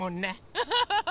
フフフフ！